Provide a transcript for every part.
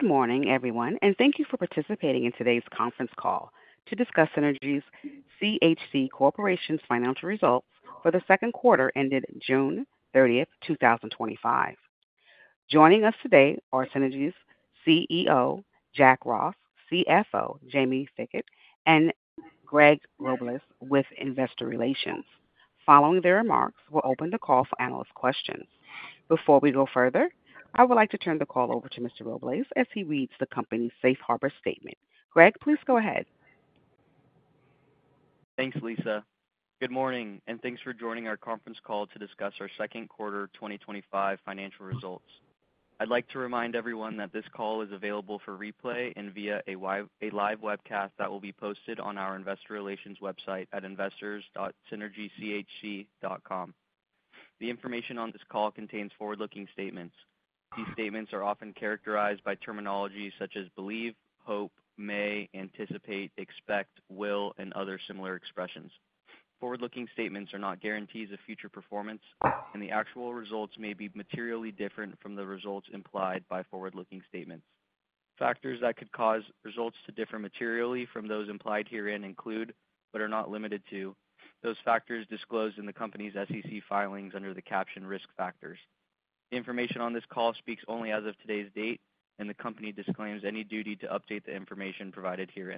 Good morning, everyone, and thank you for participating in today's conference call to discuss Synergy CHC Corp's Financial Results for the Second Quarter Ended June 30th, 2025. Joining us today are Synergy's CEO, Jack Ross, CFO, Jaime Fickett, and Greg Robles with Investor Relations. Following their remarks, we'll open the call for analyst questions. Before we go further, I would like to turn the call over to Mr. Robles as he reads the company's safe harbor statement. Greg, please go ahead. Thanks, Lisa. Good morning, and thanks for joining our conference call to discuss our second quarter 2025 financial results. I'd like to remind everyone that this call is available for replay and via a live webcast that will be posted on our Investor Relations website at investors.synergychc.com. The information on this call contains forward-looking statements. These statements are often characterized by terminology such as believe, hope, may, anticipate, expect, will, and other similar expressions. Forward-looking statements are not guarantees of future performance, and the actual results may be materially different from the results implied by forward-looking statements. Factors that could cause results to differ materially from those implied herein include, but are not limited to, those factors disclosed in the company's SEC filings under the caption risk factors. Information on this call speaks only as of today's date, and the company disclaims any duty to update the information provided here.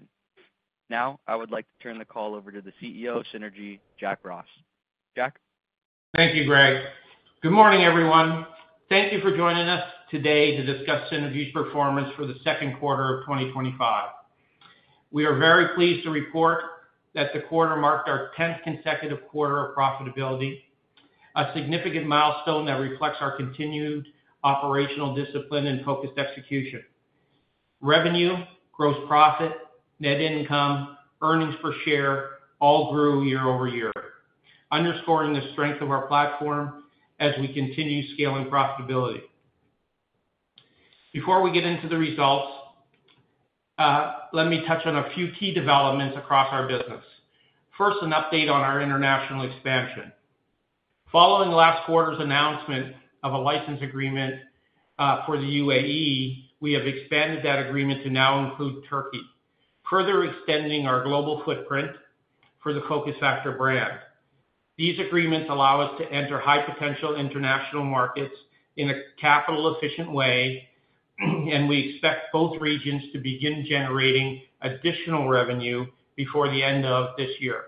Now, I would like to turn the call over to the CEO of Synergy, Jack Ross. Jack? Thank you, Greg. Good morning, everyone. Thank you for joining us today to discuss Synergy CHC Corp.'s performance for the second quarter of 2025. We are very pleased to report that the quarter marked our 10th consecutive quarter of profitability, a significant milestone that reflects our continued operational discipline and focused execution. Revenue, gross profit, net income, earnings per share, all grew year over year, underscoring the strength of our platform as we continue scaling profitability. Before we get into the results, let me touch on a few key developments across our business. First, an update on our international expansion. Following last quarter's announcement of a license agreement for the UAE, we have expanded that agreement to now include Turkey, further extending our global footprint for the Focus Factor brand. These agreements allow us to enter high-potential international markets in a capital-efficient way, and we expect both regions to begin generating additional revenue before the end of this year.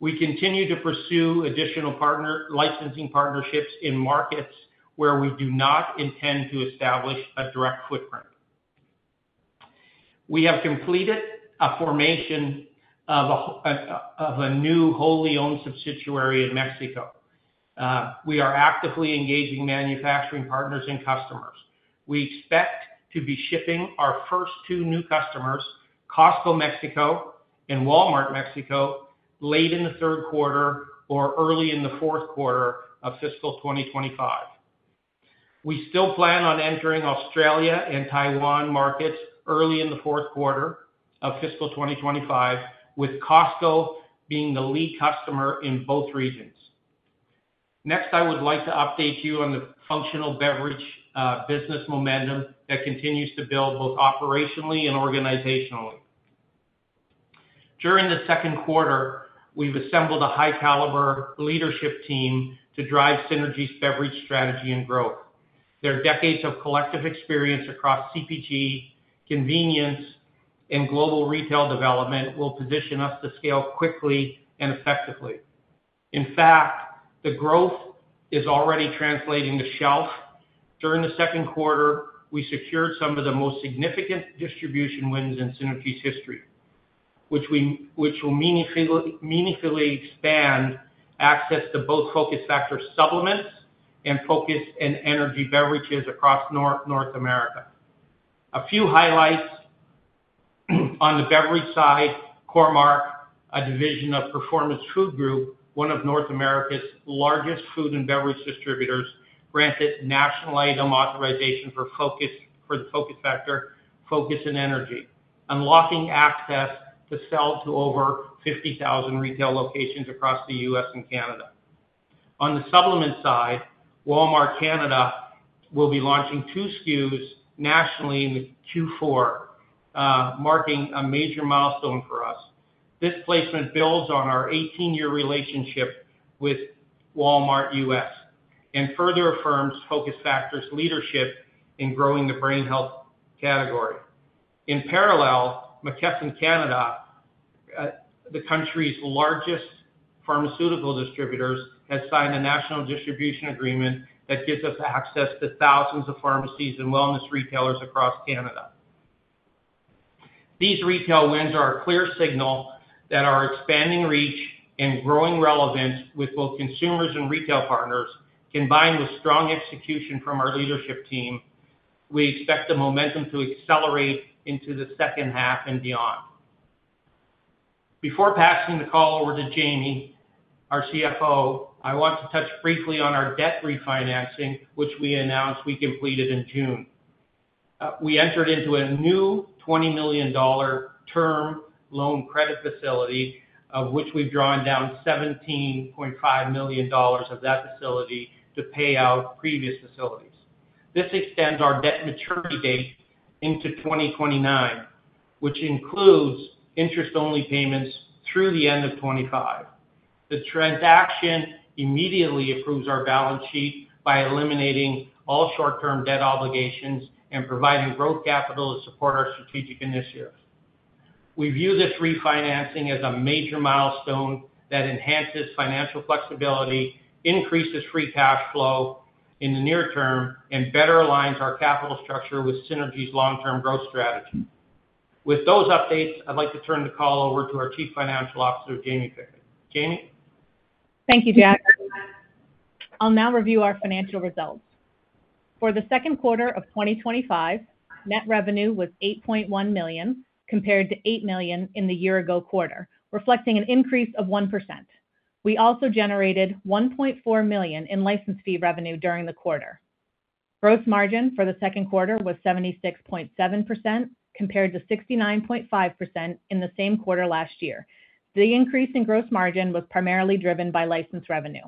We continue to pursue additional licensing partnerships in markets where we do not intend to establish a direct footprint. We have completed a formation of a new wholly owned subsidiary in Mexico. We are actively engaging manufacturing partners and customers. We expect to be shipping our first two new customers, Costco Mexico and Walmart Mexico, late in the third quarter or early in the fourth quarter of fiscal 2025. We still plan on entering Australia and Taiwan markets early in the fourth quarter of fiscal 2025, with Costco being the lead customer in both regions. Next, I would like to update you on the functional beverage business momentum that continues to build both operationally and organizationally. During the second quarter, we've assembled a high-caliber leadership team to drive Synergy's beverage strategy and growth. Their decades of collective experience across CPG, convenience, and global retail development will position us to scale quickly and effectively. In fact, the growth is already translating to shelf. During the second quarter, we secured some of the most significant distribution wins in Synergy's history, which will meaningfully expand access to both Focus Factor supplements and focus and energy beverages across North America. A few highlights on the beverage side, Core-Mark, a division of Performance Food Group, one of North America's largest food and beverage distributors, granted national item authorization for Focus Factor, Focus and Energy, unlocking access to sell to over 50,000 retail locations across the U.S. and Canada. On the supplement side, Walmart Canada will be launching two SKUs nationally in Q4, marking a major milestone for us. This placement builds on our 18-year relationship with Walmart US and further affirms Focus Factor's leadership in growing the brain health category. In parallel, McKesson Canada, the country's largest pharmaceutical distributor, has signed a national distribution agreement that gives us access to thousands of pharmacies and wellness retailers across Canada. These retail wins are a clear signal that our expanding reach and growing relevance with both consumers and retail partners, combined with strong execution from our leadership team, we expect the momentum to accelerate into the second half and beyond. Before passing the call over to Jaime, our CFO, I want to touch briefly on our debt refinancing, which we announced we completed in June. We entered into a new $20 million term loan credit facility, of which we've drawn down $17.5 million of that facility to pay out previous facilities. This extends our debt maturity date into 2029, which includes interest-only payments through the end of 2025. The transaction immediately improves our balance sheet by eliminating all short-term debt obligations and providing growth capital to support our strategic initiatives. We view this refinancing as a major milestone that enhances financial flexibility, increases free cash flow in the near term, and better aligns our capital structure with Synergy's long-term growth strategy. With those updates, I'd like to turn the call over to our Chief Financial Officer, Jaime Fickett. Jaime? Thank you, Jack. I'll now review our financial results. For the second quarter of 2025, net revenue was $8.1 million compared to $8 million in the year-ago quarter, reflecting an increase of 1%. We also generated $1.4 million in license fee revenue during the quarter. Gross margin for the second quarter was 76.7% compared to 69.5% in the same quarter last year. The increase in gross margin was primarily driven by license revenue.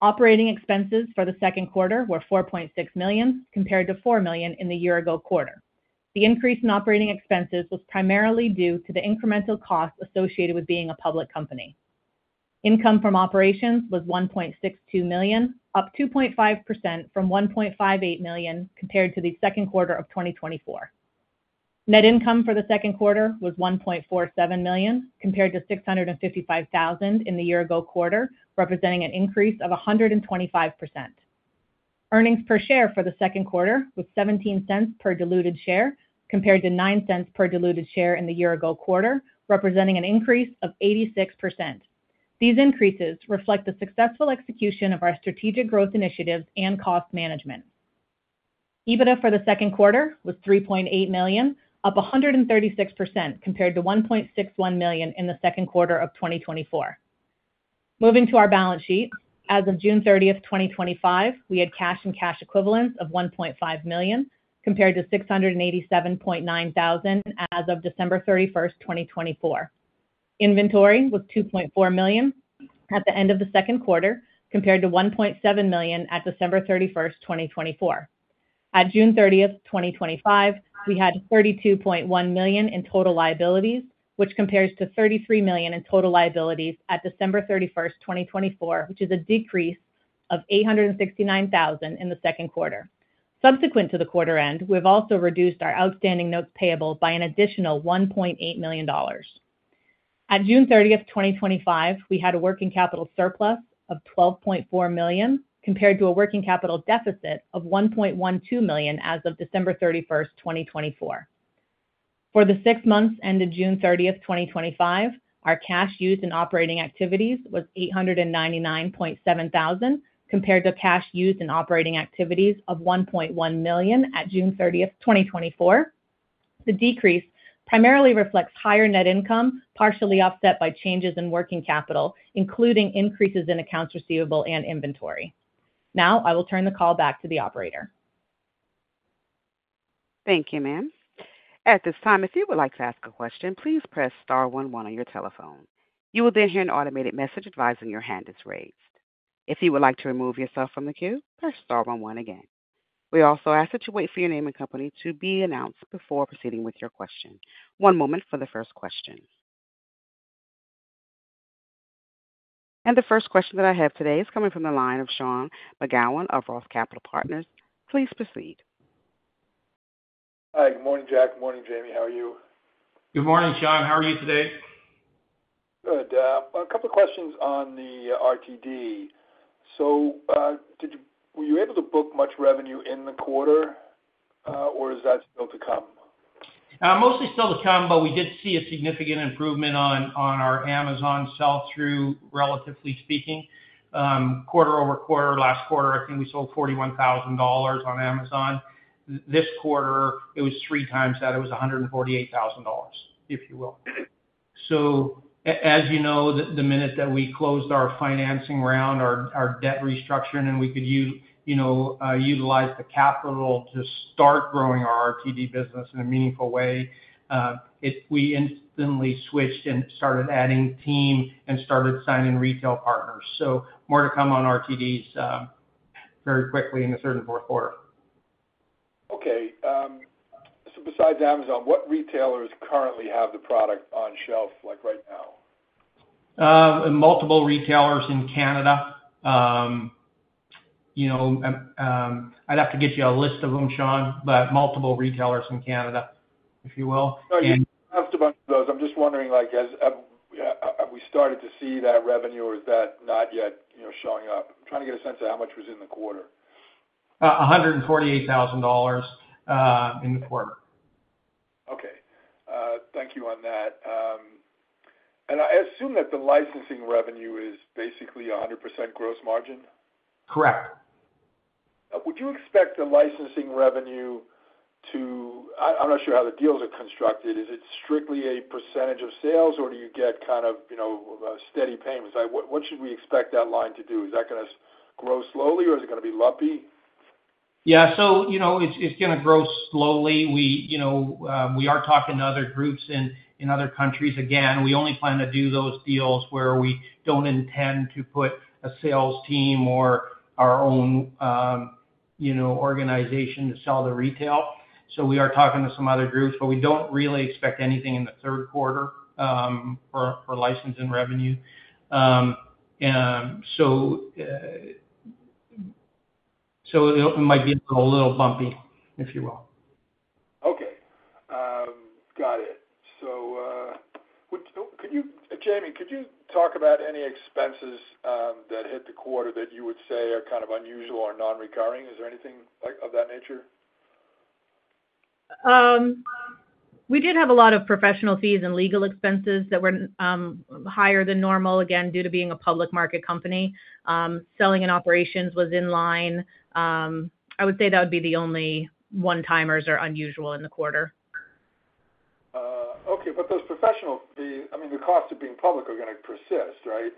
Operating expenses for the second quarter were $4.6 million compared to $4 million in the year-ago quarter. The increase in operating expenses was primarily due to the incremental cost associated with being a public company. Income from operations was $1.62 million, up 2.5% from $1.58 million compared to the second quarter of 2024. Net income for the second quarter was $1.47 million compared to $655,000 in the year-ago quarter, representing an increase of 125%. Earnings per share for the second quarter was $0.17 per diluted share compared to $0.09 per diluted share in the year-ago quarter, representing an increase of 86%. These increases reflect the successful execution of our strategic growth initiatives and cost management. EBITDA for the second quarter was $3.8 million, up 136% compared to $1.61 million in the second quarter of 2024. Moving to our balance sheet, as of June 30th, 2025, we had cash and cash equivalents of $1.5 million compared to $687,900 as of December 31st, 2024. Inventory was $2.4 million at the end of the second quarter compared to $1.7 million at December 31st, 2024. At June 30th, 2025, we had $32.1 million in total liabilities, which compares to $33 million in total liabilities at December 31st, 2024, which is a decrease of $869,000 in the second quarter. Subsequent to the quarter end, we've also reduced our outstanding notes payable by an additional $1.8 million. At June 30th, 2025, we had a working capital surplus of $12.4 million compared to a working capital deficit of $1.12 million as of December 31st, 2024. For the six months ended June 30th, 2025, our cash used in operating activities was $899,700 compared to cash used in operating activities of $1.1 million at June 30th, 2024. The decrease primarily reflects higher net income, partially offset by changes in working capital, including increases in accounts receivable and inventory. Now, I will turn the call back to the operator. Thank you, ma'am. At this time, if you would like to ask a question, please press star one one on your telephone. You will then hear an automated message advising your hand is raised. If you would like to remove yourself from the queue, press star one one again. We also ask that you wait for your name and company to be announced before proceeding with your question. One moment for the first question. The first question that I have today is coming from the line of Sean McGowan of ROTH Capital Partners. Please proceed. Hi. Good morning, Jack. Good morning, Jaime. How are you? Good morning, Sean. How are you today? Good. A couple of questions on the RTD. Were you able to book much revenue in the quarter, or is that still to come? Mostly still to come, but we did see a significant improvement on our Amazon sell-through, relatively speaking. Quarter-over-quarter, last quarter, I think we sold $41,000 on Amazon. This quarter, it was three times that. It was $148,000, if you will. As you know, the minute that we closed our financing round, our debt restructure, and then we could utilize the capital to start growing our ready-to-drink (RTD) business in a meaningful way, we instantly switched and started adding team and started signing retail partners. More to come on RTDs, very quickly in a certain quarter. Okay. Besides Amazon, what retailers currently have the product on shelf? Multiple retailers in Canada. I'd have to get you a list of them, Sean, but multiple retailers in Canada, if you will. No, you've listed a bunch of those. I'm just wondering, as, yeah, have we started to see that revenue or is that not yet showing up? I'm trying to get a sense of how much was in the quarter. $148,000 in the quarter. Okay, thank you on that. I assume that the licensing revenue is basically 100% gross margin? Correct. Would you expect the licensing revenue to—I'm not sure how the deals are constructed. Is it strictly a percentage of sales, or do you get kind of, you know, steady payments? What should we expect that line to do? Is that going to grow slowly, or is it going to be lumpy? Yeah. You know, it's going to grow slowly. We are talking to other groups in other countries again. We only plan to do those deals where we don't intend to put a sales team or our own organization to sell the retail. We are talking to some other groups, but we don't really expect anything in the third quarter for license fee revenue. It might be a little bumpy, if you will. Could you, Jaime, talk about any expenses that hit the quarter that you would say are kind of unusual or non-recurring? Is there anything of that nature? We did have a lot of professional fees and legal expenses that were higher than normal, again, due to being a public market company. Selling and operations was in line. I would say that would be the only one-timers or unusual in the quarter. Okay. Those professional, I mean, the costs of being public are going to persist, right?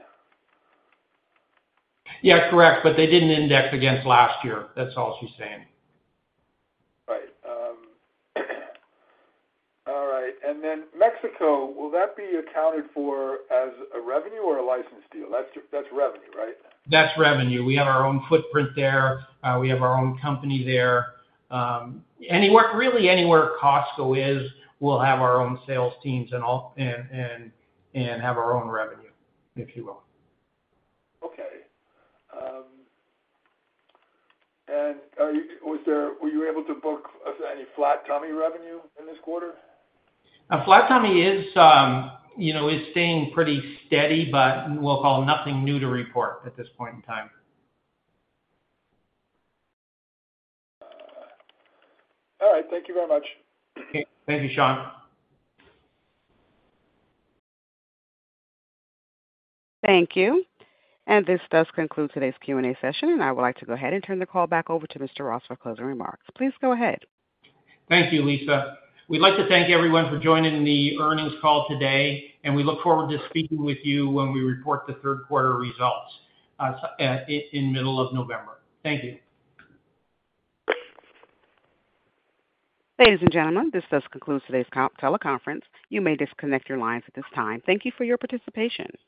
Yeah, correct, but they didn't index against last year. That's all she's saying. Right. All right. Mexico, will that be accounted for as a revenue or a license deal? That's revenue, right? That's revenue. We have our own footprint there. We have our own company there. Anywhere, really anywhere Costco is, we'll have our own sales teams and all, and have our own revenue, if you will. Was there. Were you able to book any Flat Tummy revenue in this quarter? Flat Tummy is, you know, is staying pretty steady, but we'll call nothing new to report at this point in time. All right. Thank you very much. Thank you, Sean. Thank you. This does conclude today's Q&A session. I would like to go ahead and turn the call back over to Mr. Ross for closing remarks. Please go ahead. Thank you, Lisa. We'd like to thank everyone for joining the earnings call today, and we look forward to speaking with you when we report the third quarter results in the middle of November. Thank you. Ladies and gentlemen, this does conclude today's teleconference. You may disconnect your lines at this time. Thank you for your participation.